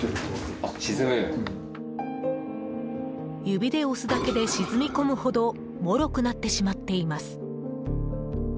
指で押すだけで沈みこむほどもろくなってしまっています。